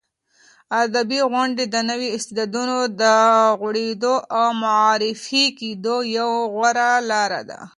ادبي غونډې د نویو استعدادونو د غوړېدو او معرفي کېدو یوه غوره لاره ده.